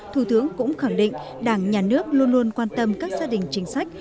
thủ tướng cũng khẳng định đảng nhà nước luôn luôn quan tâm các gia đình chính sách